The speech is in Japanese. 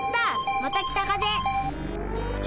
また北風。